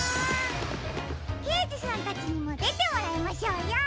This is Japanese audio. けいじさんたちにもでてもらいましょうよ。